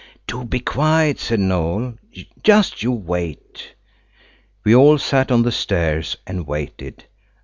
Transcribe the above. "Do be quiet!" said Noël. "Just you wait." We all sat on the stairs and waited.